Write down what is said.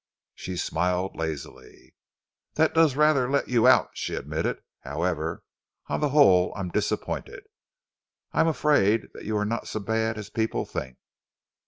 She smiled lazily. "That does rather let you out," she admitted. "However, on the whole I am disappointed. I am afraid that you are not so bad as people think."